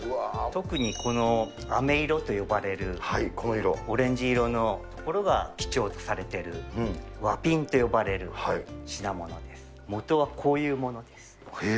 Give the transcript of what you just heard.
特にこのあめ色と呼ばれるオレンジ色のところが貴重とされているワピンと呼ばれる品物です。え？